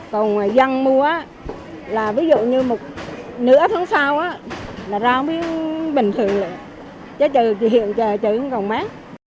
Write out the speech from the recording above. còn ngoài dân mua là ví dụ như nửa tháng sau là rau mới bình thường chứ hiện giờ chứ không còn mát